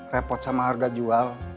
repot sama harga jual